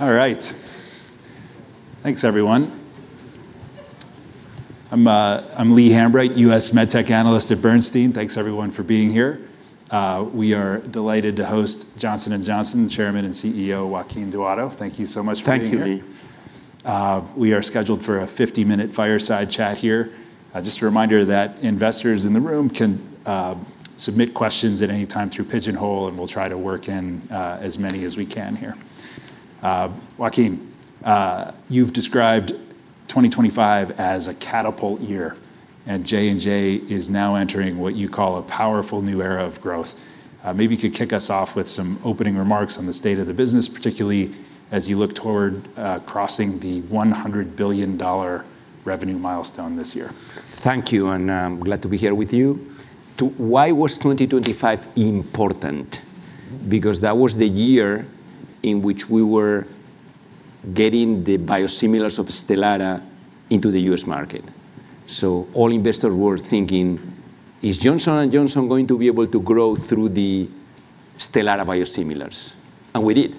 All right. Thanks everyone. I'm Lee Hambright, U.S. Medtech Analyst at Bernstein. Thanks everyone for being here. We are delighted to host Johnson & Johnson Chairman and CEO, Joaquín Duato. Thank you so much for being here. Thank you, Lee. We are scheduled for a 50-minute fireside chat here. Just a reminder that investors in the room can submit questions at any time through Pigeonhole. We'll try to work in as many as we can here. Joaquín, you've described 2025 as a catapult year. J&J is now entering what you call a powerful new era of growth. Maybe you could kick us off with some opening remarks on the state of the business, particularly as you look toward crossing the $100 billion revenue milestone this year. Thank you, and glad to be here with you. Why was 2025 important? That was the year in which we were getting the biosimilars of STELARA into the U.S. market. All investors were thinking, "Is Johnson & Johnson going to be able to grow through the STELARA biosimilars?" We did.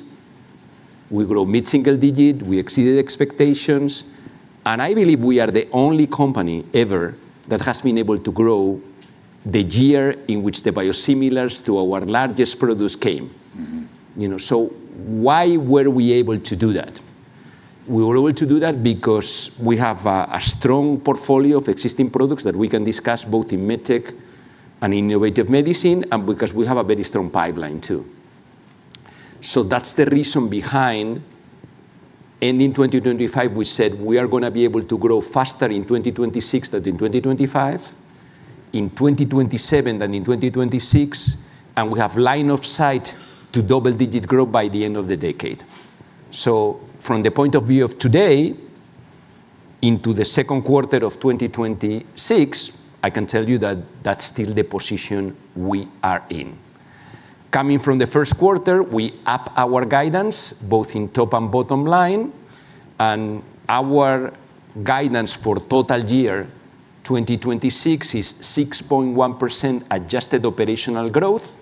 We grew mid-single digit. We exceeded expectations, and I believe we are the only company ever that has been able to grow the year in which the biosimilars to our largest product came. Why were we able to do that? We were able to do that because we have a strong portfolio of existing products that we can discuss, both in med tech and innovative medicine, and because we have a very strong pipeline, too. That's the reason behind ending 2025, we said we are going to be able to grow faster in 2026 than in 2025, in 2027 than in 2026, and we have line of sight to double-digit growth by the end of the decade. From the point of view of today into the second quarter of 2026, I can tell you that that's still the position we are in. Coming from the first quarter, we up our guidance both in top and bottom line, and our guidance for total year 2026 is 6.1% adjusted operational growth,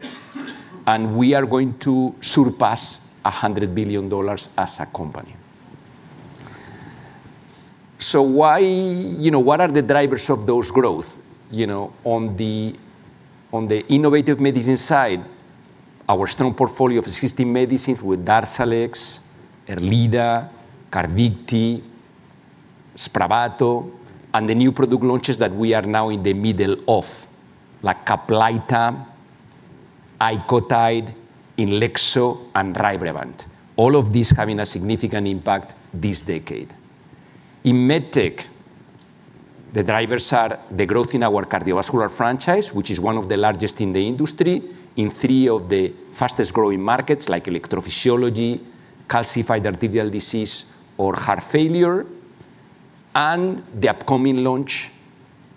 and we are going to surpass $100 billion as a company. What are the drivers of those growth? On the innovative medicine side, our strong portfolio of existing medicines with DARZALEX, ERLEADA, CARVYKTI, SPRAVATO, and the new product launches that we are now in the middle of, like CAPLYTA, ICOTYDE, INLEXZO, and RYBREVANT. All of these having a significant impact this decade. In MedTech, the drivers are the growth in our cardiovascular franchise, which is one of the largest in the industry, in three of the fastest-growing markets, like electrophysiology, calcified arterial disease, or heart failure, and the upcoming launch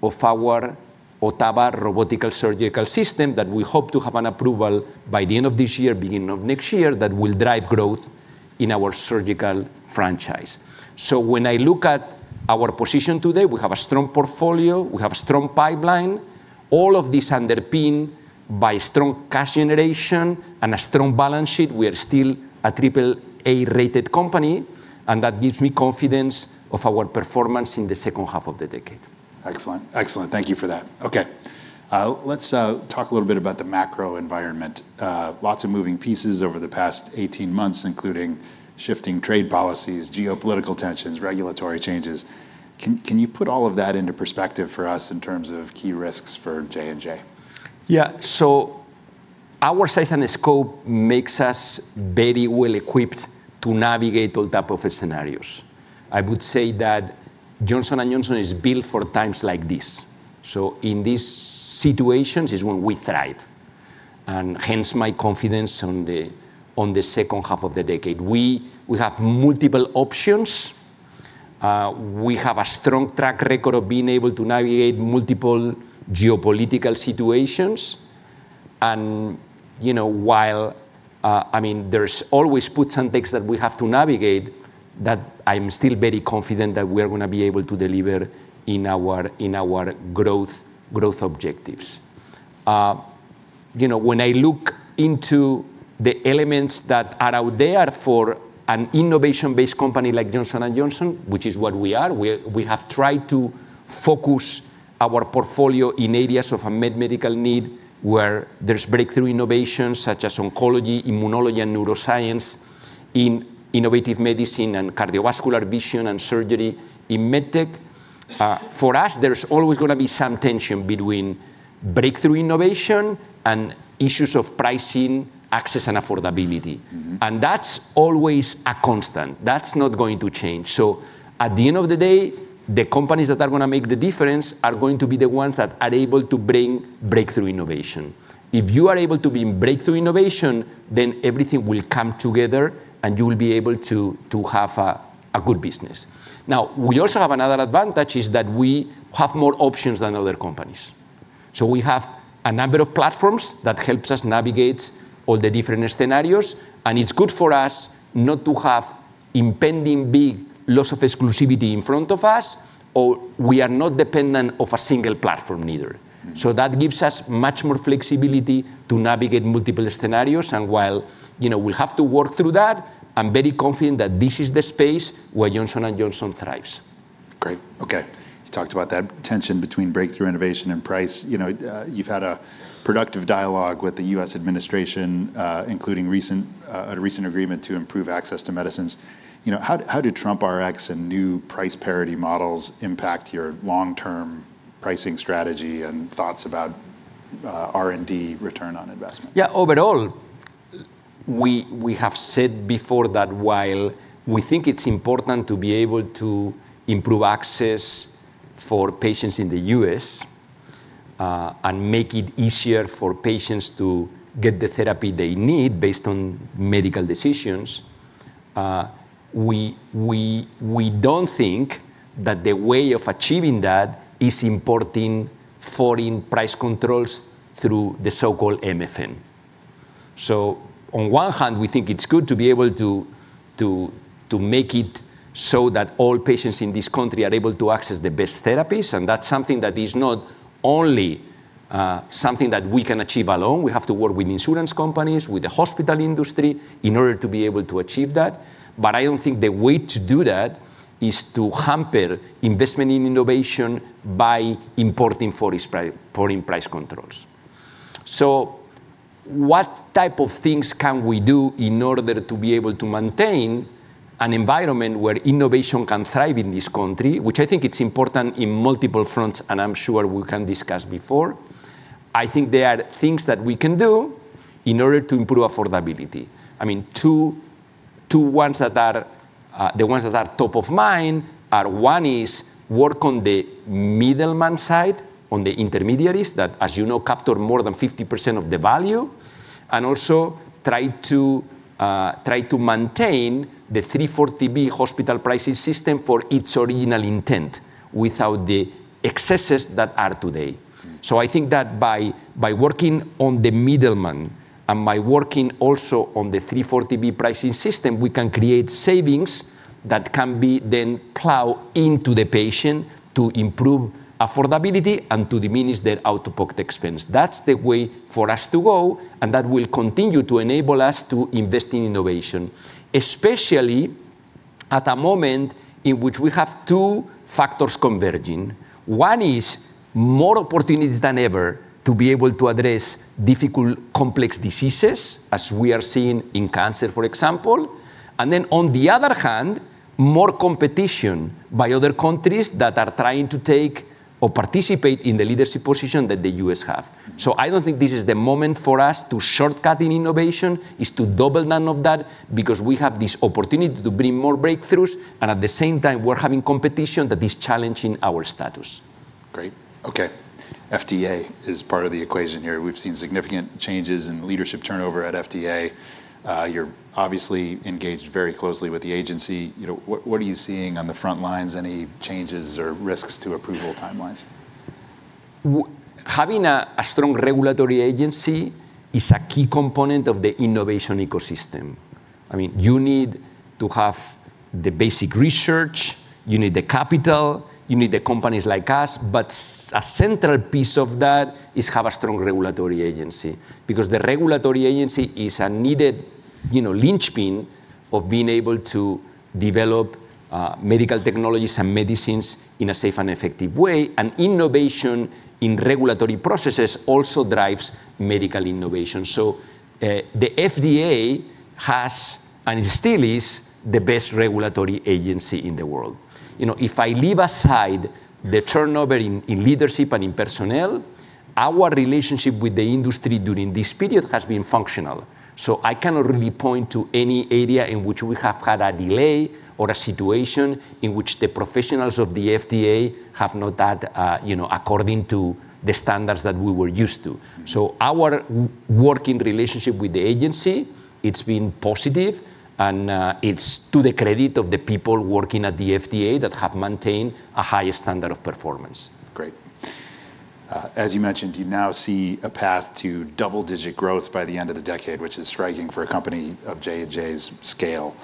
of our OTTAVA robotic surgical system that we hope to have an approval by the end of this year, beginning of next year, that will drive growth in our surgical franchise. When I look at our position today, we have a strong portfolio, we have strong pipeline, all of this underpinned by strong cash generation and a strong balance sheet. We are still a AAA rated company, and that gives me confidence of our performance in the second half of the decade. Excellent. Thank you for that. Okay. Let's talk a little bit about the macro environment. Lots of moving pieces over the past 18 months, including shifting trade policies, geopolitical tensions, regulatory changes. Can you put all of that into perspective for us in terms of key risks for J&J? Our size and scope makes us very well equipped to navigate all type of scenarios. I would say that Johnson & Johnson is built for times like this. In these situations is when we thrive, and hence my confidence on the second half of the decade. We have multiple options. We have a strong track record of being able to navigate multiple geopolitical situations, and while there's always puts and takes that we have to navigate, that I'm still very confident that we are going to be able to deliver in our growth objectives. When I look into the elements that are out there for an innovation-based company like Johnson & Johnson, which is what we are, we have tried to focus our portfolio in areas of a medical need where there's breakthrough innovations such as oncology, immunology, and neuroscience, in innovative medicine and cardiovascular vision and surgery, in med tech. For us, there's always going to be some tension between breakthrough innovation and issues of pricing, access, and affordability. That's always a constant. That's not going to change. At the end of the day, the companies that are going to make the difference are going to be the ones that are able to bring breakthrough innovation. If you are able to bring breakthrough innovation, everything will come together, and you will be able to have a good business. We also have another advantage, is that we have more options than other companies. We have a number of platforms that helps us navigate all the different scenarios, and it's good for us not to have impending big loss of exclusivity in front of us. Or we are not dependent of a single platform either. That gives us much more flexibility to navigate multiple scenarios. While we'll have to work through that, I'm very confident that this is the space where Johnson & Johnson thrives. Great. Okay. You talked about that tension between breakthrough innovation and price. You’ve had a productive dialogue with the U.S. administration, including a recent agreement to improve access to medicines. How do TrumpRx and new price parity models impact your long-term pricing strategy and thoughts about R&D return on investment? Overall, we have said before that while we think it's important to be able to improve access for patients in the U.S., and make it easier for patients to get the therapy they need based on medical decisions, we don't think that the way of achieving that is importing foreign price controls through the so-called MFN. On one hand, we think it's good to be able to make it so that all patients in this country are able to access the best therapies, and that's something that is not only something that we can achieve alone. We have to work with insurance companies, with the hospital industry in order to be able to achieve that. I don't think the way to do that is to hamper investment in innovation by importing foreign price controls. What type of things can we do in order to be able to maintain an environment where innovation can thrive in this country, which I think it's important in multiple fronts, and I'm sure we can discuss before. I think there are things that we can do in order to improve affordability. Two ones that are top of mind are one is work on the middleman side, on the intermediaries that, as you know, capture more than 50% of the value, and also try to maintain the 340B hospital pricing system for its original intent without the excesses that are today. I think that by working on the middleman and by working also on the 340B pricing system, we can create savings that can be then plowed into the patient to improve affordability and to diminish their out-of-pocket expense. That's the way for us to go. That will continue to enable us to invest in innovation, especially at a moment in which we have two factors converging. One is more opportunities than ever to be able to address difficult, complex diseases, as we are seeing in cancer, for example. On the other hand, more competition by other countries that are trying to take or participate in the leadership position that the U.S. have. I don't think this is the moment for us to shortcut in innovation, is to double down of that because we have this opportunity to bring more breakthroughs, and at the same time, we're having competition that is challenging our status. Great. Okay. FDA is part of the equation here. We've seen significant changes in leadership turnover at FDA. You're obviously engaged very closely with the agency. What are you seeing on the front lines? Any changes or risks to approval timelines? Having a strong regulatory agency is a key component of the innovation ecosystem. You need to have the basic research, you need the capital, you need the companies like us, but a central piece of that is have a strong regulatory agency. The regulatory agency is a needed linchpin of being able to develop medical technologies and medicines in a safe and effective way, and innovation in regulatory processes also drives medical innovation. The FDA has, and it still is, the best regulatory agency in the world. If I leave aside the turnover in leadership and in personnel, our relationship with the industry during this period has been functional. I cannot really point to any area in which we have had a delay or a situation in which the professionals of the FDA have not acted according to the standards that we were used to. Our working relationship with the agency, it's been positive, and it's to the credit of the people working at the FDA that have maintained a high standard of performance. Great. As you mentioned, you now see a path to double-digit growth by the end of the decade, which is striking for a company of J&J's scale.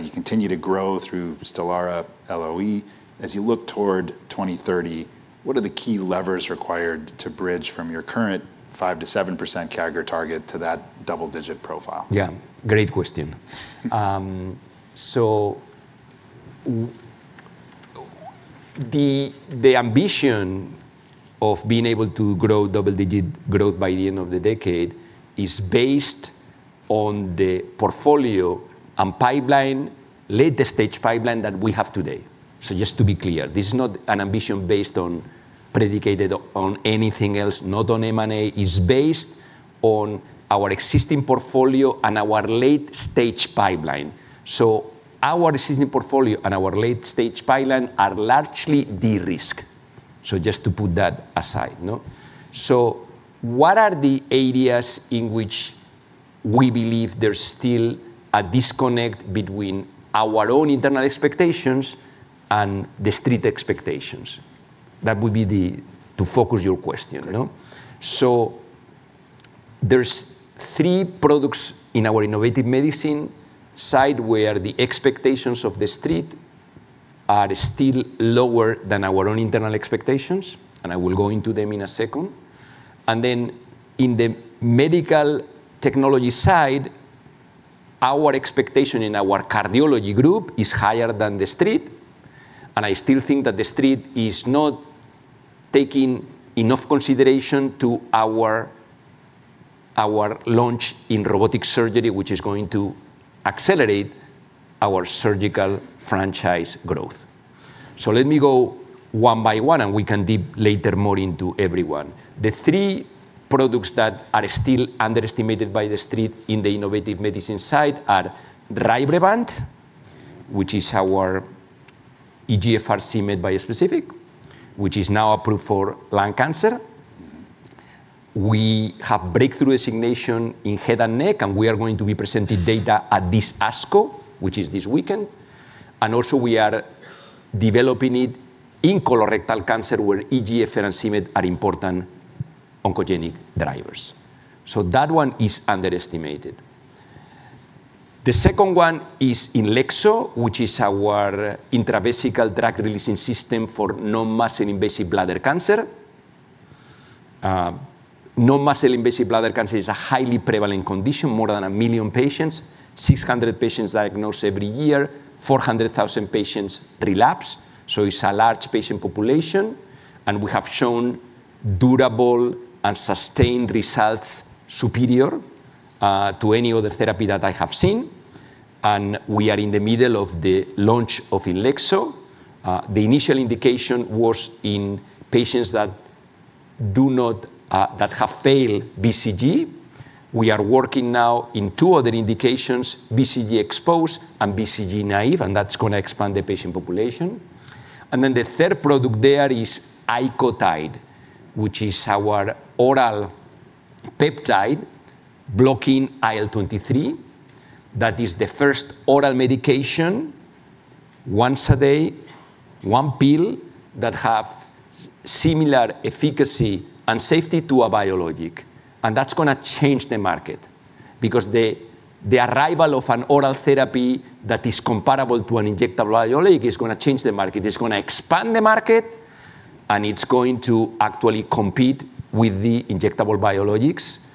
You continue to grow through STELARA LOE. As you look toward 2030, what are the key levers required to bridge from your current 5%-7% CAGR target to that double-digit profile? Yeah. Great question. The ambition of being able to grow double-digit growth by the end of the decade is based on the portfolio and latest stage pipeline that we have today. Just to be clear, this is not an ambition based on, predicated on anything else, not on M&A. It's based on our existing portfolio and our late-stage pipeline. Our existing portfolio and our late-stage pipeline are largely de-risked. Just to put that aside. What are the areas in which we believe there's still a disconnect between our own internal expectations and the street expectations? That would be to focus your question. Okay. There's three products in our innovative medicine side where the expectations of the Street are still lower than our own internal expectations, and I will go into them in a second. In the medical technology side, our expectation in our cardiology group is higher than the Street, and I still think that the Street is not taking enough consideration to our launch in robotic surgery, which is going to accelerate our surgical franchise growth. Let me go one by one, and we can dip later more into every one. The three products that are still underestimated by the Street in the innovative medicine side are RYBREVANT, which is our EGFR/c-MET bispecific, which is now approved for lung cancer. We have breakthrough designation in head and neck, and we are going to be presenting data at this ASCO, which is this weekend. We are developing it in colorectal cancer, where EGFR and c-Met are important oncogenic drivers. That one is underestimated. The second one is INLEXZO, which is our intravesical drug-releasing system for non-muscle invasive bladder cancer. Non-muscle invasive bladder cancer is a highly prevalent condition, more than 1 million patients, 600 patients diagnosed every year, 400,000 patients relapse. It's a large patient population, and we have shown durable and sustained results superior to any other therapy that I have seen. We are in the middle of the launch of INLEXZO. The initial indication was in patients that have failed BCG. We are working now in two other indications, BCG exposed and BCG naive, and that's going to expand the patient population. The third product there is ICOTYDE, which is our oral peptide blocking IL-23. That is the first oral medication, once a day, one pill, that have similar efficacy and safety to a biologic. That's going to change the market because the arrival of an oral therapy that is comparable to an injectable biologic is going to change the market. It's going to expand the market, and it's going to actually compete with the injectable biologics,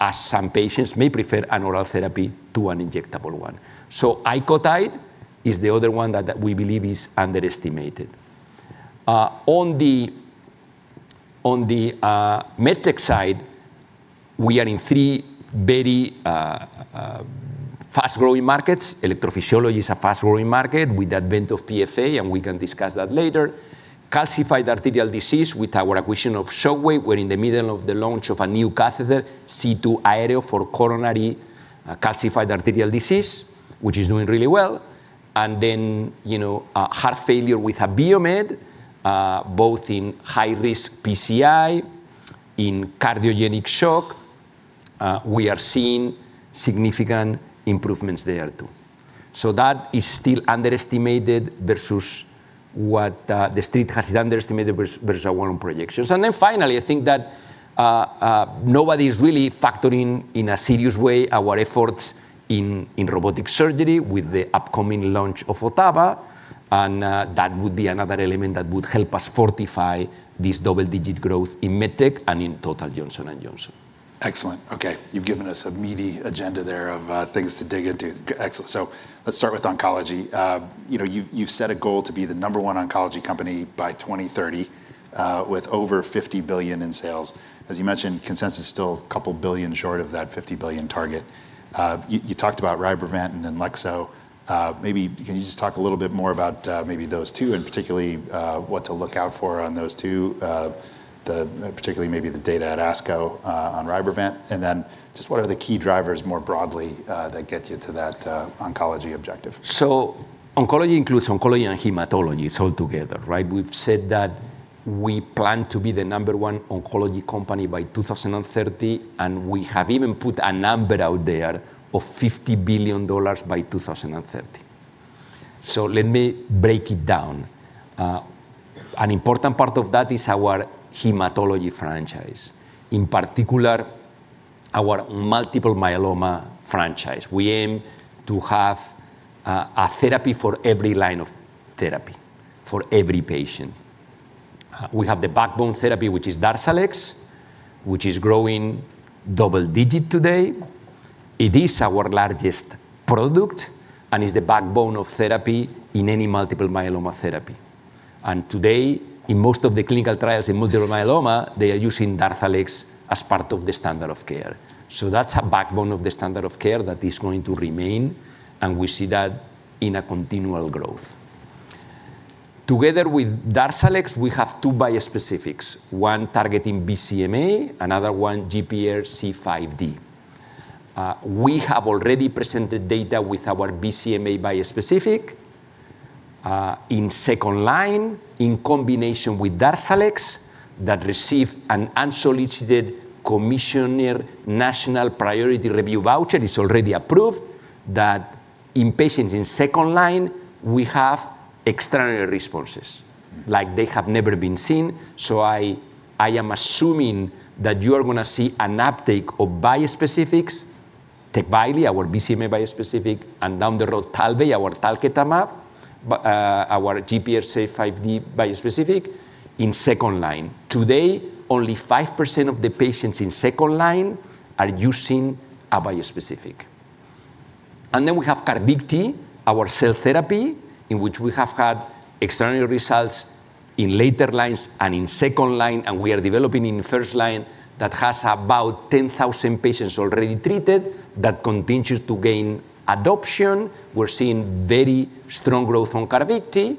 as some patients may prefer an oral therapy to an injectable one. ICOTYDE is the other one that we believe is underestimated. On the med tech side, we are in three very fast-growing markets. Electrophysiology is a fast-growing market with the advent of PFA, and we can discuss that later. Calcified arterial disease, with our acquisition of Shockwave. We're in the middle of the launch of a new catheter, C2 Aero, for coronary calcified arterial disease, which is doing really well. Heart failure with Abiomed, both in high-risk PCI, in cardiogenic shock, we are seeing significant improvements there too. That is still underestimated versus what the Street has underestimated versus our own projections. Finally, I think that nobody is really factoring in a serious way our efforts in robotic surgery with the upcoming launch of OTTAVA. That would be another element that would help us fortify this double-digit growth in med tech and in total Johnson & Johnson. Excellent. Okay. You've given us a meaty agenda there of things to dig into. Excellent. Let's start with oncology. You've set a goal to be the number one oncology company by 2030, with over $50 billion in sales. As you mentioned, consensus still a couple billion short of that $50 billion target. You talked about RYBREVANT and INLEXZO. Maybe can you just talk a little bit more about maybe those two, and particularly what to look out for on those two, particularly maybe the data at ASCO on RYBREVANT. Just what are the key drivers more broadly that get you to that oncology objective? Oncology includes oncology and hematology. It's all together, right? We've said that we plan to be the number one oncology company by 2030, and we have even put a number out there of $50 billion by 2030. Let me break it down. An important part of that is our hematology franchise, in particular our multiple myeloma franchise. We aim to have a therapy for every line of therapy for every patient. We have the backbone therapy, which is DARZALEX, which is growing double digit today. It is our largest product and is the backbone of therapy in any multiple myeloma therapy. Today, in most of the clinical trials in multiple myeloma, they are using DARZALEX as part of the standard of care. That's a backbone of the standard of care that is going to remain, and we see that in a continual growth. Together with DARZALEX, we have two bispecifics, one targeting BCMA, another one GPRC5D. We have already presented data with our BCMA bispecific in second line in combination with DARZALEX that received an unsolicited Commissioner's National Priority Voucher Program. It's already approved that in patients in second line, we have extraordinary responses. Like they have never been seen. I am assuming that you are going to see an uptake of bispecifics, TECVAYLI, our BCMA bispecific, and down the road, TALVEY, our talquetamab, our GPRC5D bispecific in second-line. Today, only 5% of the patients in second-line are using a bispecific. We have CARVYKTI, our cell therapy, in which we have had extraordinary results in later lines and in second line, and we are developing in first line that has about 10,000 patients already treated that continues to gain adoption. We're seeing very strong growth on CARVYKTI,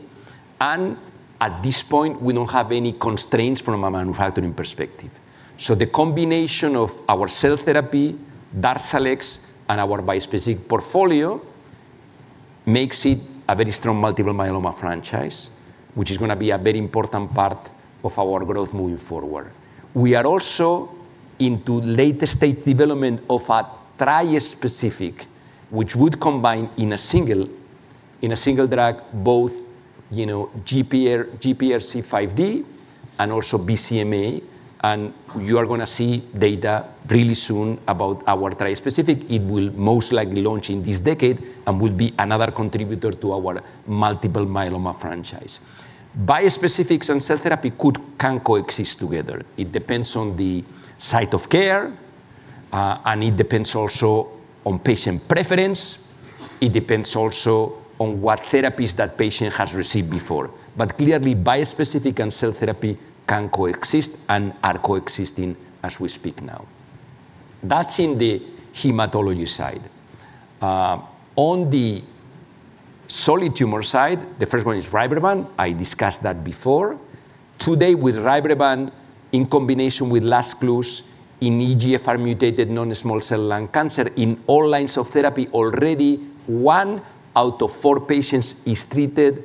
and at this point, we don't have any constraints from a manufacturing perspective. The combination of our cell therapy, DARZALEX, and our bispecific portfolio makes it a very strong multiple myeloma franchise, which is going to be a very important part of our growth moving forward. We are also into late-stage development of a trispecific, which would combine in a single drug, both GPRC5D and also BCMA. You are going to see data really soon about our trispecific. It will most likely launch in this decade and will be another contributor to our multiple myeloma franchise. Bispecifics and cell therapy can coexist together. It depends on the site of care, and it depends also on patient preference. It depends also on what therapies that patient has received before. Clearly, bispecific and cell therapy can coexist and are coexisting as we speak now. That's in the hematology side. On the solid tumor side, the first one is RYBREVANT. I discussed that before. Today with RYBREVANT in combination with LAZCLUZE in EGFR mutated non-small cell lung cancer in all lines of therapy, already one out of four patients is treated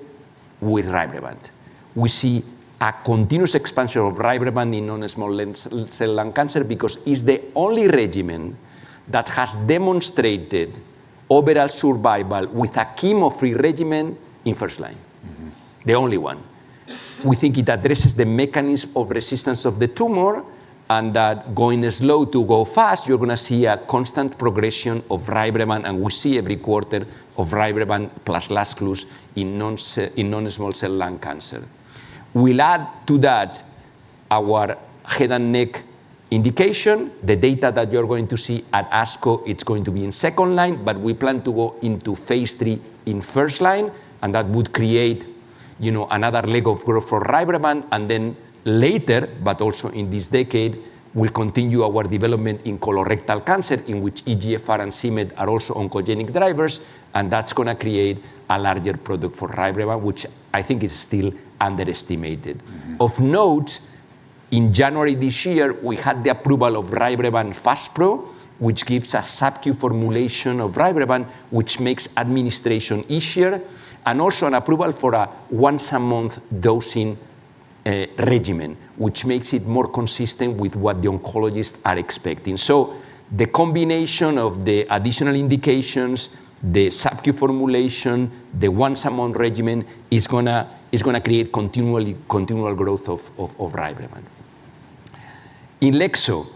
with RYBREVANT. We see a continuous expansion of RYBREVANT in non-small cell lung cancer because it's the only regimen that has demonstrated overall survival with a chemo-free regimen in first line. The only one. We think it addresses the mechanism of resistance of the tumor, and that going slow to go fast, you're going to see a constant progression of RYBREVANT, and we see every quarter of RYBREVANT plus LAZCLUZE in non-small cell lung cancer. We'll add to that our head and neck indication, the data that you're going to see at ASCO, it's going to be in second line, but we plan to go into phase III in first line, and that would create another leg of growth for RYBREVANT. Later, but also in this decade, we'll continue our development in colorectal cancer in which EGFR and c-MET are also oncogenic drivers, and that's going to create a larger product for RYBREVANT, which I think is still underestimated. Of note, in January this year, we had the approval of RYBREVANT FASPRO, which gives a subcu formulation of RYBREVANT, which makes administration easier, and also an approval for a once-a-month dosing regimen, which makes it more consistent with what the oncologists are expecting. The combination of the additional indications, the subcu formulation, the once-a-month regimen is going to create continual growth of RYBREVANT.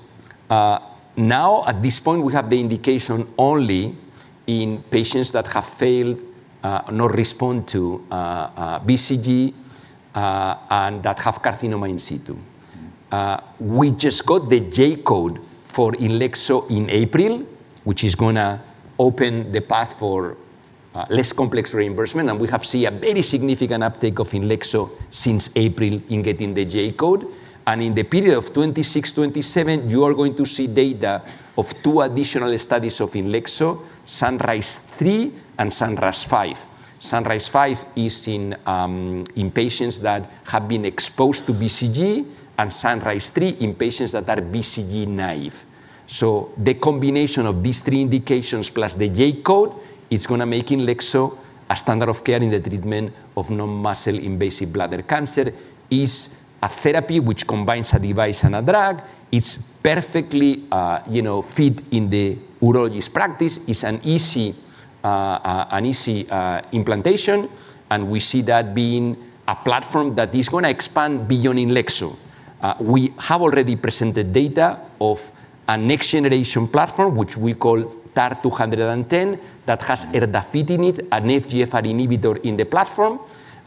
INLEXZO. Now at this point, we have the indication only in patients that have failed, not respond to BCG, and that have carcinoma in situ. We just got the J-code for INLEXZO in April, which is going to open the path for less complex reimbursement, and we have seen a very significant uptake of INLEXZO since April in getting the J-code. In the period of 2026, 2027, you are going to see data of two additional studies of INLEXZO, SunRISe-3 and SunRISe-5. SunRISe-5 is in patients that have been exposed to BCG, and SunRISe-3 in patients that are BCG naive. The combination of these three indications plus the J-code is going to make INLEXZO a standard of care in the treatment of non-muscle invasive bladder cancer. It is a therapy which combines a device and a drug. It's perfectly fit in the urologist practice. It's an easy implantation, and we see that being a platform that is going to expand beyond INLEXZO. We have already presented data of a next-generation platform, which we call TAR-210, that has erdafitinib, an FGFR inhibitor in the platform.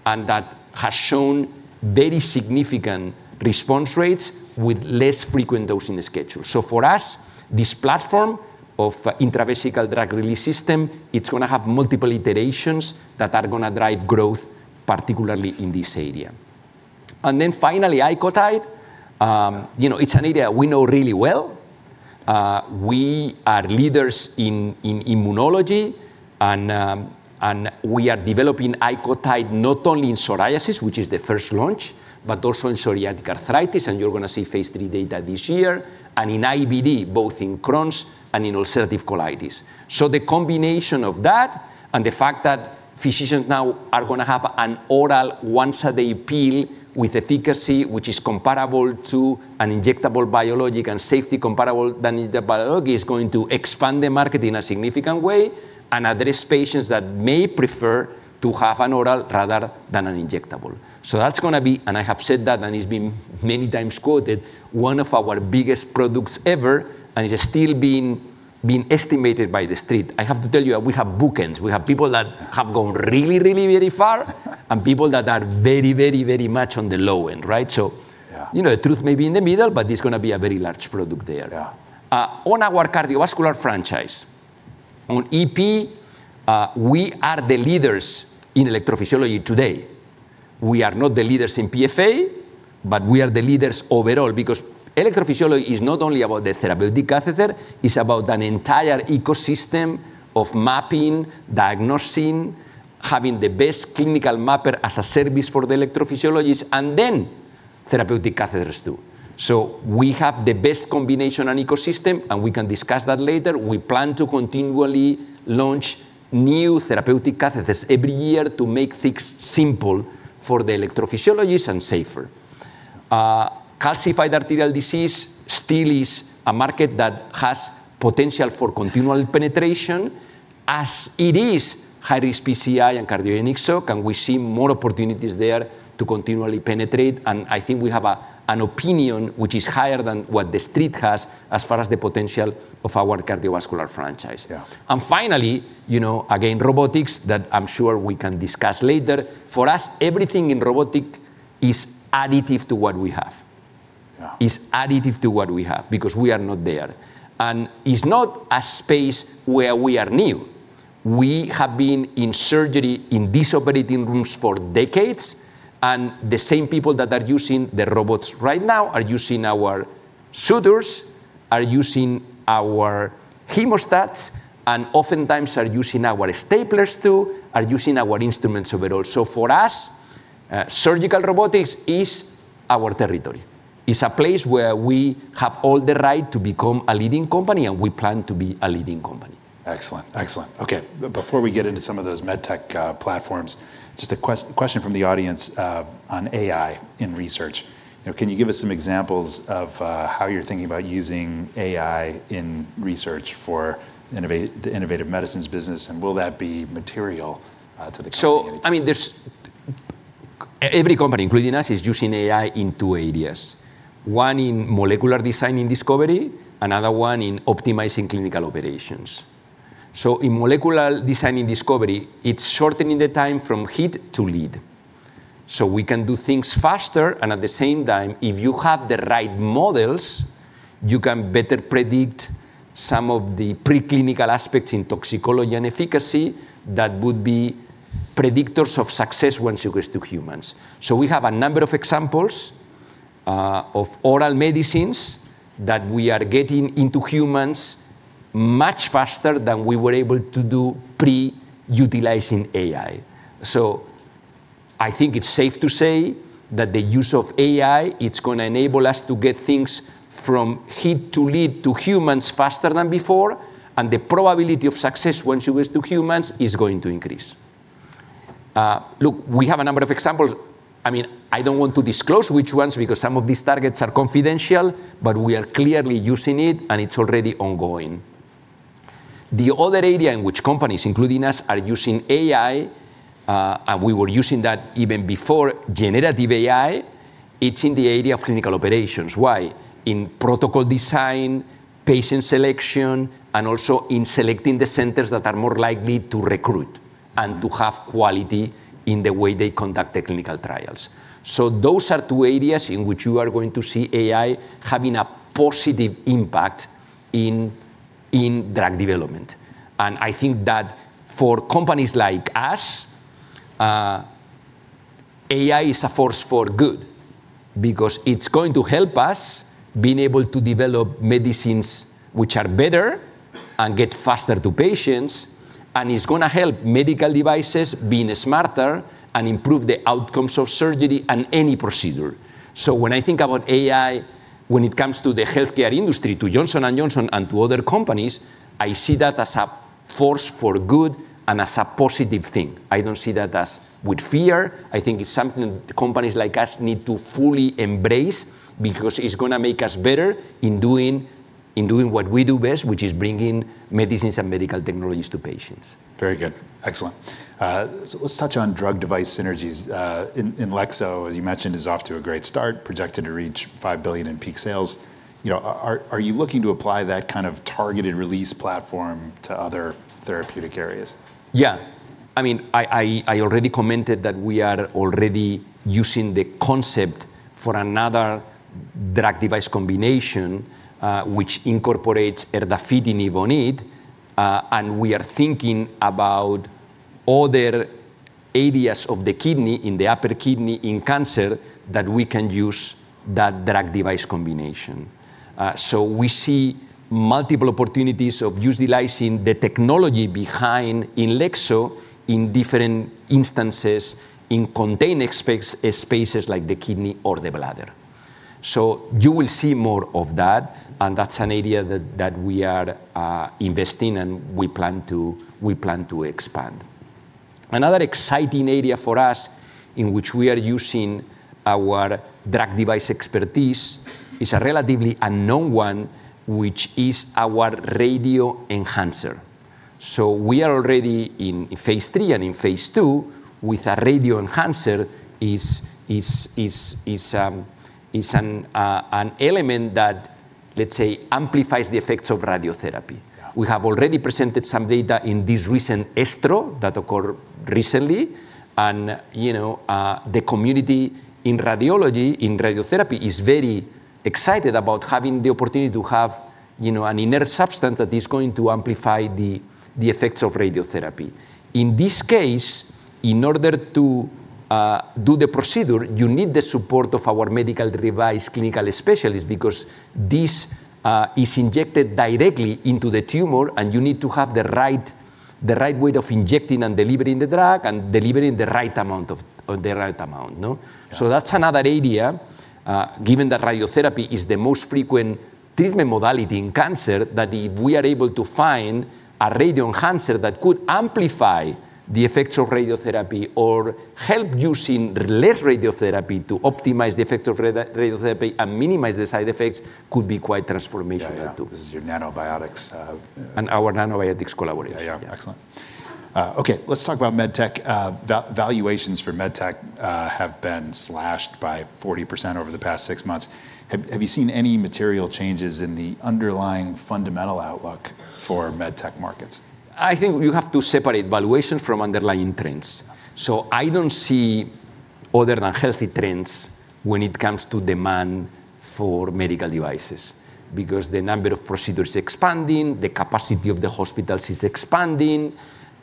That has shown very significant response rates with less frequent dosing schedule. For us, this platform of intravesical drug release system, it's going to have multiple iterations that are going to drive growth, particularly in this area. Finally, ICOTYDE. It's an area we know really well. We are leaders in immunology, and we are developing ICOTYDE not only in psoriasis, which is the first launch, but also in psoriatic arthritis, and you're going to see phase III data this year, and in IBD, both in Crohn's and in ulcerative colitis. The combination of that and the fact that physicians now are going to have an oral once-a-day pill with efficacy, which is comparable to an injectable biologic and safety comparable than the biologic, is going to expand the market in a significant way and address patients that may prefer to have an oral rather than an injectable. That's going to be, and I have said that, and it's been many times quoted, one of our biggest products ever, and it's still being estimated by the street. I have to tell you, we have bookends. We have people that have gone really far and people that are very much on the low end. Yeah. The truth may be in the middle, but it's going to be a very large product there. Yeah. Our cardiovascular franchise, on EP, we are the leaders in electrophysiology today. We are not the leaders in PFA, but we are the leaders overall because electrophysiology is not only about the therapeutic catheter, it's about an entire ecosystem of mapping, diagnosing, having the best clinical mapper as a service for the electrophysiologist, and then therapeutic catheters, too. We have the best combination and ecosystem, and we can discuss that later. We plan to continually launch new therapeutic catheters every year to make things simple for the electrophysiologist, and safer. Calcified arterial disease still is a market that has potential for continual penetration as it is high-risk PCI and cardiogenic shock, and we see more opportunities there to continually penetrate. I think we have an opinion which is higher than what the street has as far as the potential of our cardiovascular franchise. Yeah. Finally, again, robotics, that I'm sure we can discuss later. For us, everything in robotic is additive to what we have. Yeah. Is additive to what we have because we are not there. It's not a space where we are new. We have been in surgery in these operating rooms for decades, and the same people that are using the robots right now are using our suturers, are using our hemostats, and oftentimes are using our staplers, too, are using our instruments overall. For us, surgical robotics is our territory. It's a place where we have all the right to become a leading company, and we plan to be a leading company. Excellent. Okay. Before we get into some of those MedTech platforms, just a question from the audience on AI in research. Can you give us some examples of how you're thinking about using AI in research for the Innovative Medicines business, and will that be material to the company? Every company, including us, is using AI in two areas. One in molecular design and discovery, another one in optimizing clinical operations. In molecular design and discovery, it's shortening the time from hit to lead. We can do things faster and at the same time, if you have the right models, you can better predict some of the preclinical aspects in toxicology and efficacy that would be predictors of success once it goes to humans. We have a number of examples of oral medicines that we are getting into humans much faster than we were able to do pre-utilizing AI. I think it's safe to say that the use of AI, it's going to enable us to get things from hit to lead to humans faster than before, and the probability of success once it goes to humans is going to increase. Look, we have a number of examples. I don't want to disclose which ones because some of these targets are confidential, but we are clearly using it, and it's already ongoing. The other area in which companies, including us, are using AI, and we were using that even before generative AI, it's in the area of clinical operations. Why? In protocol design, patient selection, and also in selecting the centers that are more likely to recruit and to have quality in the way they conduct the clinical trials. Those are two areas in which you are going to see AI having a positive impact in drug development. I think that for companies like us, AI is a force for good because it's going to help us be able to develop medicines which are better and get faster to patients, and it's going to help medical devices being smarter and improve the outcomes of surgery and any procedure. When I think about AI, when it comes to the healthcare industry, to Johnson & Johnson and to other companies, I see that as a force for good and as a positive thing. I don't see that with fear. I think it's something companies like us need to fully embrace because it's going to make us better in doing what we do best, which is bringing medicines and medical technologies to patients. Very good. Excellent. Let's touch on drug device synergies. INLEXZO, as you mentioned, is off to a great start, projected to reach $5 billion in peak sales. Are you looking to apply that kind of targeted release platform to other therapeutic areas? Yeah. I already commented that we are already using the concept for another drug device combination, which incorporates erdafitinib on it, and we are thinking about other areas of the kidney, in the upper kidney in cancer that we can use that drug device combination. We see multiple opportunities of utilizing the technology behind INLEXZO in different instances, in contained spaces like the kidney or the bladder. You will see more of that, and that's an area that we are investing and we plan to expand. Another exciting area for us in which we are using our drug device expertise is a relatively unknown one, which is our radioenhancer. We are already in phase III and in phase II with a radioenhancer is an element that, let's say, amplifies the effects of radiotherapy. Yeah. We have already presented some data in this recent ESTRO that occurred recently, and the community in radiotherapy is very excited about having the opportunity to have an inert substance that is going to amplify the effects of radiotherapy. In this case, in order to do the procedure, you need the support of our medical device clinical specialist because this is injected directly into the tumor, and you need to have the right way of injecting and delivering the drug, and delivering the right amount. No? Yeah. That's another area, given that radiotherapy is the most frequent treatment modality in cancer, that if we are able to find a radioenhancer that could amplify the effects of radiotherapy or help using less radiotherapy to optimize the effect of radiotherapy and minimize the side effects could be quite transformational too. Yeah. This is your Nanobiotix- Our Nanobiotix collaboration. Yeah, excellent. Okay. Let's talk about MedTech. Valuations for MedTech have been slashed by 40% over the past six months. Have you seen any material changes in the underlying fundamental outlook for MedTech markets? I think you have to separate valuation from underlying trends. Yeah. I don't see other than healthy trends when it comes to demand for medical devices, because the number of procedures expanding, the capacity of the hospitals is expanding,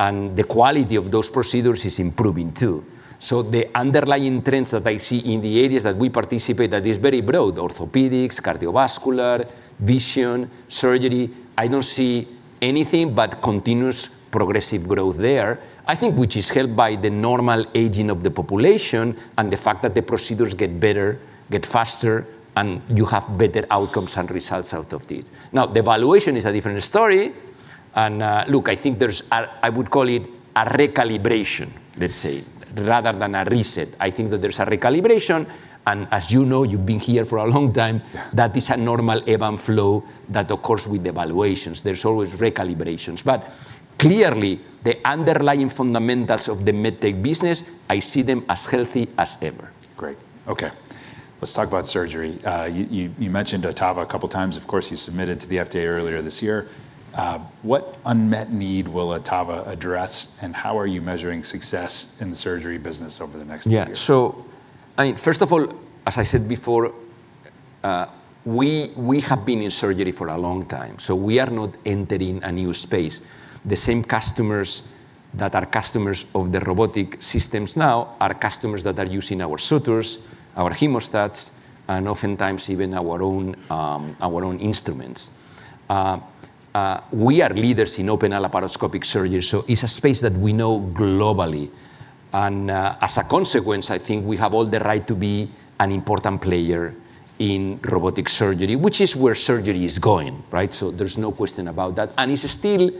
and the quality of those procedures is improving, too. The underlying trends that I see in the areas that we participate, that is very broad, orthopedics, cardiovascular, vision, surgery. I don't see anything but continuous progressive growth there, I think which is helped by the normal aging of the population and the fact that the procedures get better, get faster, and you have better outcomes and results out of this. The valuation is a different story. Look, I think there's, I would call it a recalibration, let's say, rather than a reset. I think that there's a recalibration, as you know, you've been here for a long time- Yeah It's a normal ebb and flow that occurs with the valuations. There's always recalibrations. Clearly, the underlying fundamentals of the med tech business, I see them as healthy as ever. Great. Okay. Let's talk about surgery. You mentioned OTTAVA a couple of times. Of course, you submitted to the FDA earlier this year. What unmet need will OTTAVA address, and how are you measuring success in the surgery business over the next couple of years? First of all, as I said before, we have been in surgery for a long time, so we are not entering a new space. The same customers that are customers of the robotic systems now are customers that are using our sutures, our hemostats, and oftentimes even our own instruments. We are leaders in open and laparoscopic surgery, so it's a space that we know globally. As a consequence, I think we have all the right to be an important player in robotic surgery, which is where surgery is going. Right. There's no question about that. It's still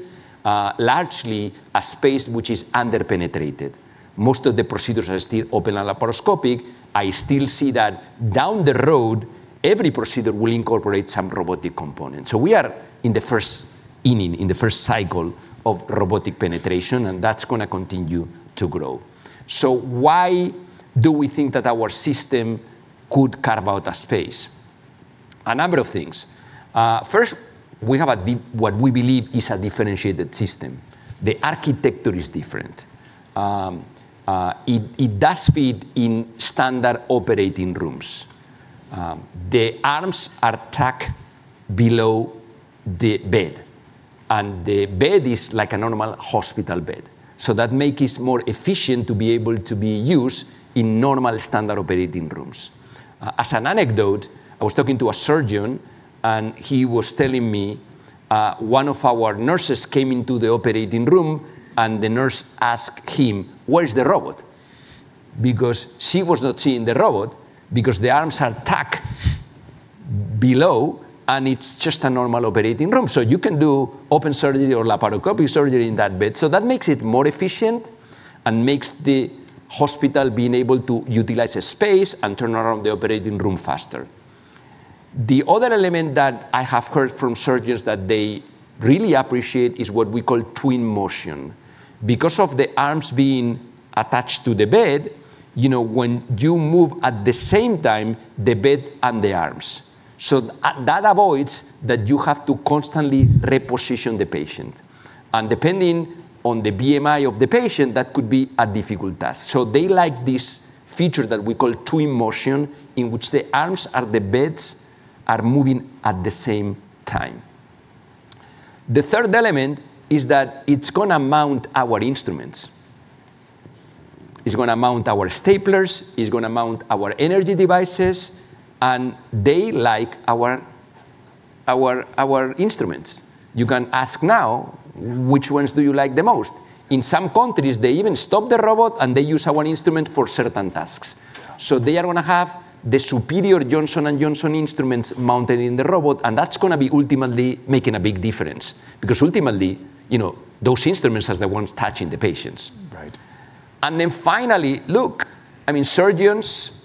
largely a space which is under-penetrated. Most of the procedures are still open and laparoscopic. I still see that down the road, every procedure will incorporate some robotic component. We are in the first inning, in the first cycle of robotic penetration, and that's going to continue to grow. Why do we think that our system could carve out a space? A number of things. First, we have a big, what we believe is a differentiated system. The architecture is different. It does fit in standard operating rooms. The arms are tucked below the bed, and the bed is like a normal hospital bed. That makes it more efficient to be able to be used in normal standard operating rooms. As an anecdote, I was talking to a surgeon, and he was telling me, one of our nurses came into the operating room, and the nurse asked him, "Where's the robot?" Because she was not seeing the robot because the arms are tucked below, and it's just a normal operating room. You can do open surgery or laparoscopic surgery in that bed. That makes it more efficient and makes the hospital being able to utilize the space and turn around the operating room faster. The other element that I have heard from surgeons that they really appreciate is what we call digital twin. Because of the arms being attached to the bed, when you move at the same time, the bed and the arms. That avoids that you have to constantly reposition the patient, and depending on the BMI of the patient, that could be a difficult task. They like this feature that we call digital twin, in which the arms and the beds are moving at the same time. The third element is that it's going to mount our instruments. It's going to mount our staplers, it's going to mount our energy devices, and they like our instruments. You can ask now, which ones do you like the most? In some countries, they even stop the robot, and they use our instrument for certain tasks. Yeah. They are going to have the superior Johnson & Johnson instruments mounted in the robot, and that's going to be ultimately making a big difference because ultimately, those instruments are the ones touching the patients. Right. Finally, look, surgeons,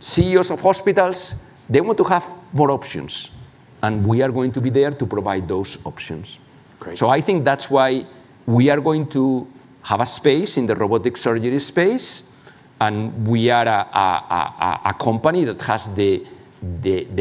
CEOs of hospitals, they want to have more options, and we are going to be there to provide those options. Great. I think that's why we are going to have a space in the robotic surgery space, and we are a company that has the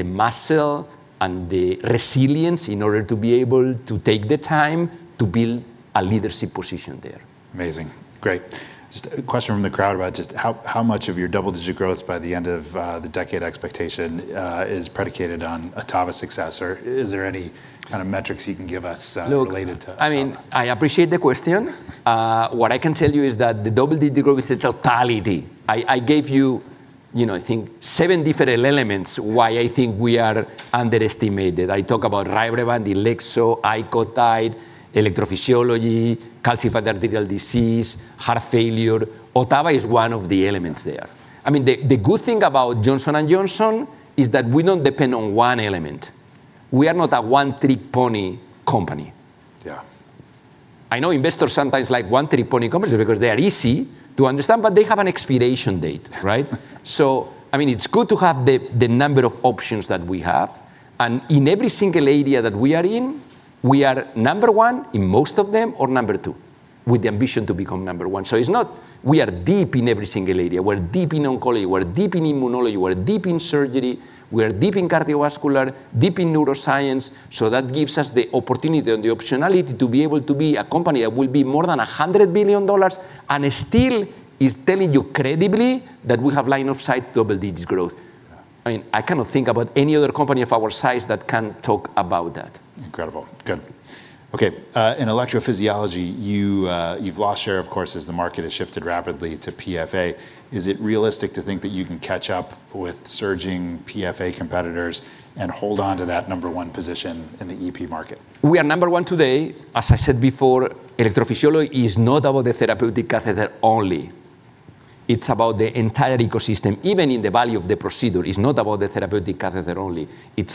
muscle and the resilience in order to be able to take the time to build a leadership position there. Amazing. Great. Just a question from the crowd about just how much of your double-digit growth by the end of the decade expectation is predicated on OTTAVA success, or is there any kind of metrics you can give us? Look to OTTAVA? I appreciate the question. What I can tell you is that the double-digit growth is a totality. I gave you, I think, seven different elements why I think we are underestimated. I talk about RYBREVANT, INLEXZO, ICOTYDE, electrophysiology, calcified arterial disease, heart failure. OTTAVA is one of the elements there. The good thing about Johnson & Johnson is that we don't depend on one element. We are not a one-trick pony company. Yeah. I know investors sometimes like one-trick pony companies because they are easy to understand, but they have an expiration date, right? It's good to have the number of options that we have. In every single area that we are in, we are number one in most of them or number two, with the ambition to become number one. It's not we are deep in every single area. We're deep in oncology, we're deep in immunology, we're deep in surgery, we are deep in cardiovascular, deep in neuroscience. That gives us the opportunity and the optionality to be able to be a company that will be more than $100 billion and still is telling you credibly that we have line of sight double digits growth. Yeah. I cannot think about any other company of our size that can talk about that. Incredible. Good. Okay, in electrophysiology, you've lost share, of course, as the market has shifted rapidly to PFA. Is it realistic to think that you can catch up with surging PFA competitors and hold onto that number one position in the EP market? We are number one today. As I said before, electrophysiology is not about the therapeutic catheter only. It's about the entire ecosystem. Even in the value of the procedure, it's not about the therapeutic catheter only. It's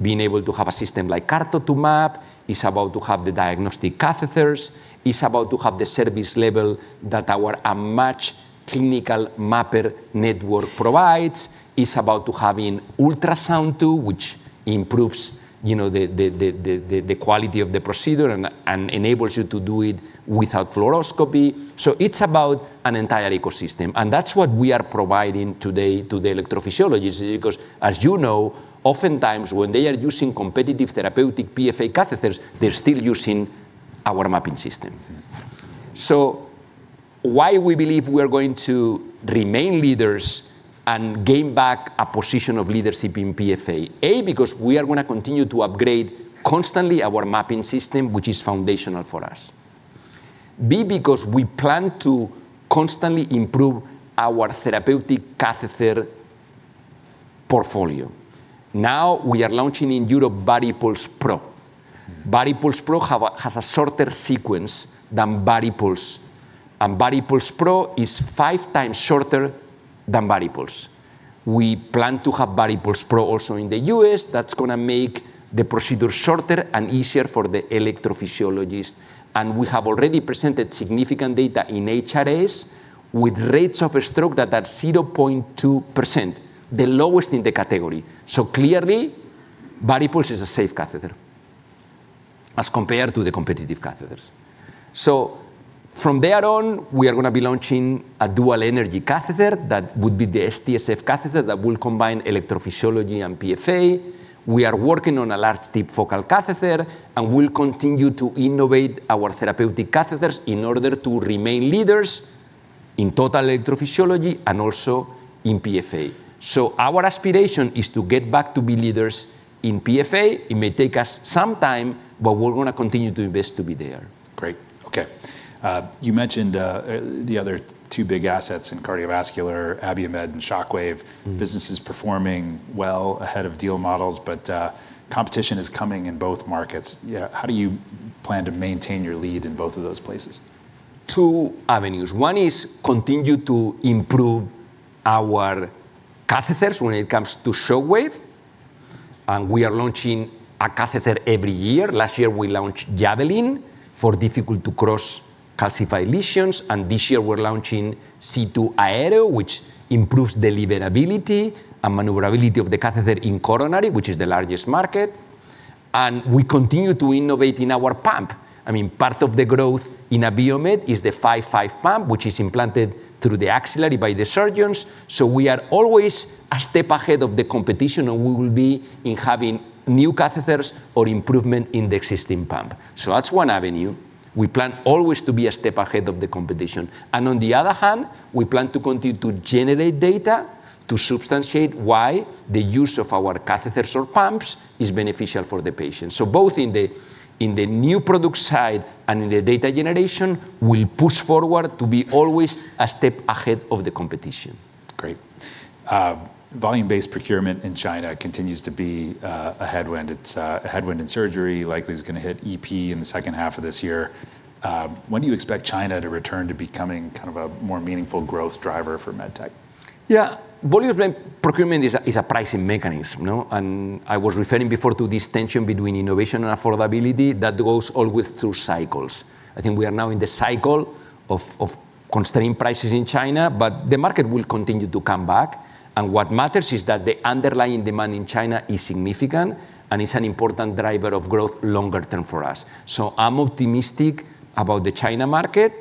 about being able to have a system like CARTO to map. It's about to have the diagnostic catheters. It's about to have the service level that our matched clinical mapper network provides. It's about to have an ultrasound too, which improves the quality of the procedure and enables you to do it without fluoroscopy. It's about an entire ecosystem, and that's what we are providing today to the electrophysiologist because, as you know, oftentimes when they are using competitive therapeutic PFA catheters, they're still using our mapping system. Why we believe we are going to remain leaders and gain back a position of leadership in PFA, A, because we are going to continue to upgrade constantly our mapping system, which is foundational for us. B, because we plan to constantly improve our therapeutic catheter portfolio. We are launching in Europe VARIPULSE Pro. VARIPULSE Pro has a shorter sequence than VARIPULSE, and VARIPULSE Pro is five times shorter than VARIPULSE. We plan to have VARIPULSE Pro also in the U.S. That's going to make the procedure shorter and easier for the electrophysiologist, and we have already presented significant data in HRS with rates of a stroke that are 0.2%, the lowest in the category. Clearly, VARIPULSE is a safe catheter as compared to the competitive catheters. From there on, we are going to be launching a dual energy catheter that would be the STSF catheter that will combine electrophysiology and PFA. We are working on a large deep focal catheter and will continue to innovate our therapeutic catheters in order to remain leaders in total electrophysiology and also in PFA. Our aspiration is to get back to be leaders in PFA. It may take us some time, but we're going to continue to invest to be there. Great. Okay. You mentioned the other two big assets in cardiovascular, Abiomed and Shockwave. Business is performing well ahead of deal models, but competition is coming in both markets. How do you plan to maintain your lead in both of those places? Two avenues. One is continue to improve our catheters when it comes to Shockwave, and we are launching a catheter every year. Last year, we launched JAVELIN for difficult to cross calcified lesions, and this year we're launching C2 Aero, which improves deliverability and maneuverability of the catheter in coronary, which is the largest market. We continue to innovate in our pump. Part of the growth in Abiomed is the 5.5 pump, which is implanted through the axillary by the surgeons. We are always a step ahead of the competition, and we will be in having new catheters or improvement in the existing pump. That's one avenue. We plan always to be a step ahead of the competition. On the other hand, we plan to continue to generate data to substantiate why the use of our catheters or pumps is beneficial for the patient. Both in the new product side and in the data generation, we'll push forward to be always a step ahead of the competition. Great. Volume-based procurement in China continues to be a headwind. It's a headwind in surgery, likely is going to hit EP in the second half of this year. When do you expect China to return to becoming kind of a more meaningful growth driver for MedTech? Yeah. Volume-based procurement is a pricing mechanism, no? I was referring before to this tension between innovation and affordability that goes always through cycles. I think we are now in the cycle of constrained prices in China, the market will continue to come back. What matters is that the underlying demand in China is significant, and it's an important driver of growth longer term for us. I'm optimistic about the China market.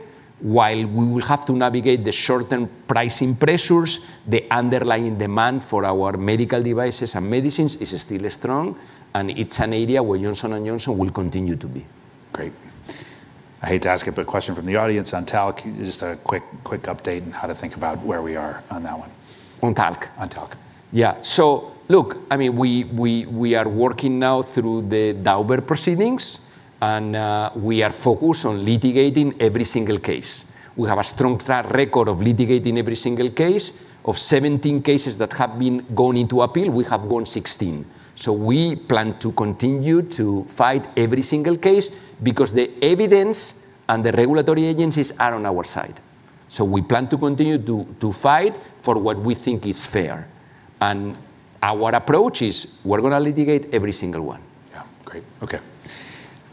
While we will have to navigate the short-term pricing pressures, the underlying demand for our medical devices and medicines is still strong, and it's an area where Johnson & Johnson will continue to be. Great. I hate to ask it, question from the audience on Talc, just a quick update on how to think about where we are on that one. On Talc? On Talc. Yeah. Look, we are working now through the Daubert Proceedings, and we are focused on litigating every single case. We have a strong track record of litigating every single case. Of 17 cases that have been going into appeal, we have won 16. We plan to continue to fight every single case because the evidence and the regulatory agencies are on our side. We plan to continue to fight for what we think is fair. Our approach is we're going to litigate every single one. Yeah. Great.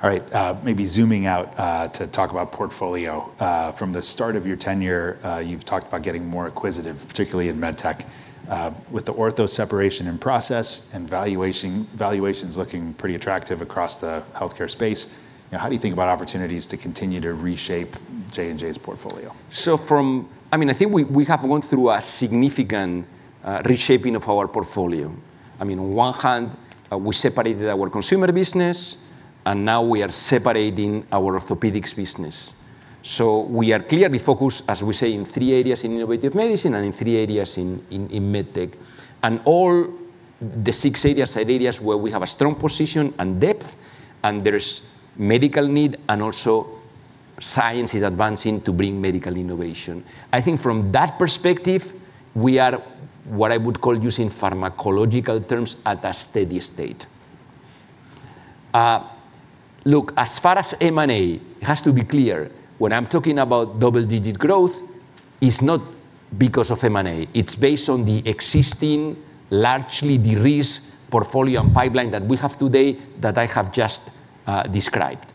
Okay. All right. Maybe zooming out to talk about portfolio. From the start of your tenure, you've talked about getting more acquisitive, particularly in MedTech. With the ortho separation in process and valuations looking pretty attractive across the healthcare space, how do you think about opportunities to continue to reshape J&J's portfolio? I think we have gone through a significant reshaping of our portfolio. On one hand, we separated our consumer business, and now we are separating our orthopedics business. We are clearly focused, as we say, in three areas in innovative medicine and in three areas in med tech. All the six areas are areas where we have a strong position and depth, and there's medical need and also science is advancing to bring medical innovation. I think from that perspective, we are what I would call, using pharmacological terms, at a steady state. Look, as far as M&A, it has to be clear, when I'm talking about double-digit growth, it's not because of M&A. It's based on the existing largely de-risked portfolio and pipeline that we have today that I have just described.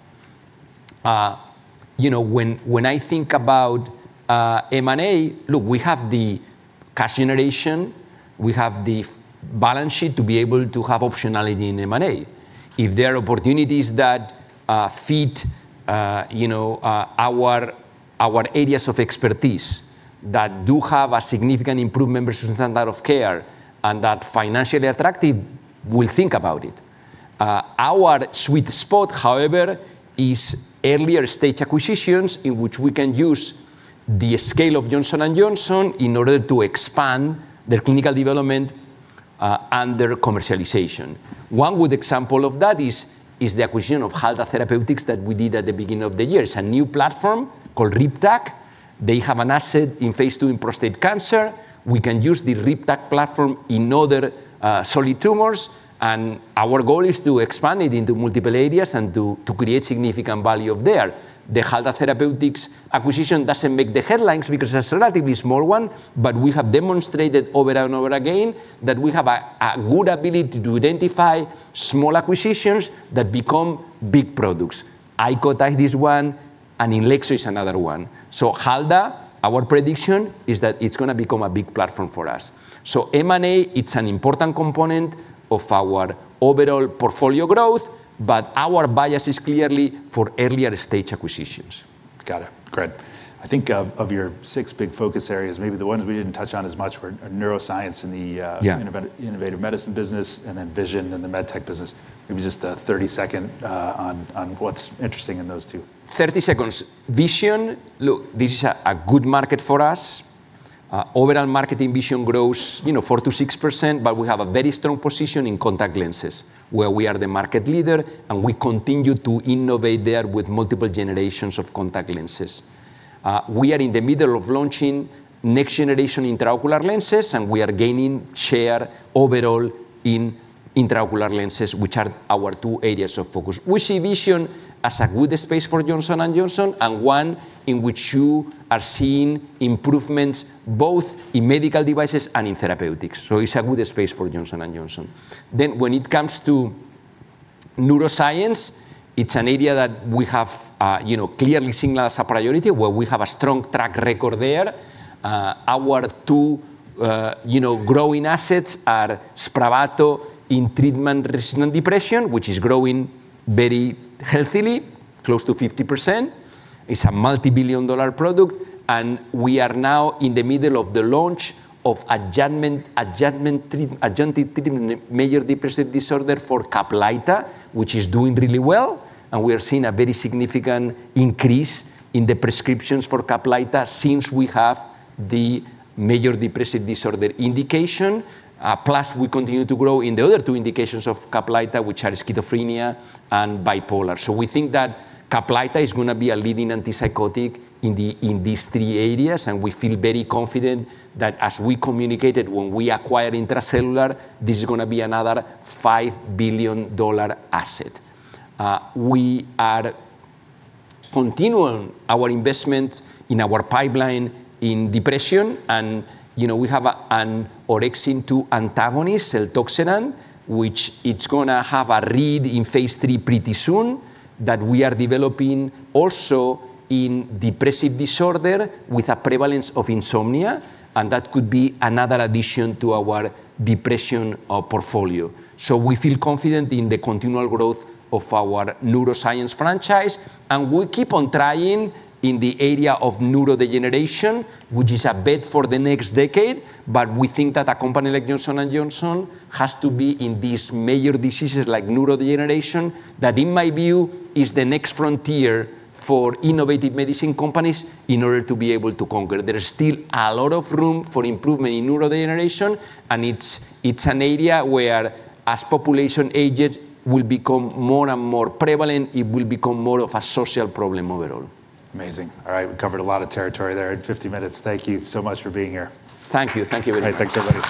When I think about M&A, look, we have the cash generation, we have the balance sheet to be able to have optionality in M&A. If there are opportunities that fit our areas of expertise that do have a significant improved standard of care and that financially attractive, we'll think about it. Our sweet spot, however, is earlier-stage acquisitions in which we can use the scale of Johnson & Johnson in order to expand their clinical development and their commercialization. One good example of that is the acquisition of Halda Therapeutics that we did at the beginning of the year. It's a new platform called RIPTAC. They have an asset in phase II in prostate cancer. Our goal is to expand it into multiple areas and to create significant value there. The Halda Therapeutics acquisition doesn't make the headlines because it's a relatively small one, but we have demonstrated over and over again that we have a good ability to identify small acquisitions that become big products. ICOTYDE is one, and INLEXZO is another one. Halda, our prediction is that it's going to become a big platform for us. M&A, it's an important component of our overall portfolio growth, but our bias is clearly for earlier-stage acquisitions. Got it. Great. I think of your six big focus areas, maybe the ones we didn't touch on as much were neuroscience. Yeah Innovative Medicine business, and then vision in the MedTech business. Maybe just a 30-second on what's interesting in those two. Thirty seconds. Vision, this is a good market for us. Overall market in vision grows 4%-6%. We have a very strong position in contact lenses, where we are the market leader. We continue to innovate there with multiple generations of contact lenses. We are in the middle of launching next-generation intraocular lenses. We are gaining share overall in intraocular lenses, which are our two areas of focus. We see vision as a good space for Johnson & Johnson, one in which you are seeing improvements both in medical devices and in therapeutics. It's a good space for Johnson & Johnson. When it comes to neuroscience, it's an area that we have clearly signaled as a priority, where we have a strong track record there. Our two growing assets are SPRAVATO in treatment-resistant depression, which is growing very healthily, close to 50%. It's a multi-billion-dollar product. We are now in the middle of the launch of adjunctive treatment in major depressive disorder for CAPLYTA, which is doing really well. We are seeing a very significant increase in the prescriptions for CAPLYTA since we have the major depressive disorder indication. Plus, we continue to grow in the other two indications of CAPLYTA, which are schizophrenia and bipolar. We think that CAPLYTA is going to be a leading antipsychotic in these three areas. We feel very confident that as we communicated when we acquired Intra-Cellular, this is going to be another $5 billion asset. We are continuing our investment in our pipeline in depression. We have an orexin-2 antagonist, seltorexant, which is going to have a read in phase III pretty soon, that we are developing also in depressive disorder with a prevalence of insomnia. That could be another addition to our depression portfolio. We feel confident in the continual growth of our neuroscience franchise. We will keep on trying in the area of neurodegeneration, which is a bet for the next decade. We think that a company like Johnson & Johnson has to be in these major diseases like neurodegeneration, that in my view, is the next frontier for innovative medicine companies in order to be able to conquer. There is still a lot of room for improvement in neurodegeneration. It's an area where as population ages will become more and more prevalent, it will become more of a social problem overall. Amazing. All right. We covered a lot of territory there in 50 minutes. Thank you so much for being here. Thank you. Thank you very much. All right. Thanks, everybody.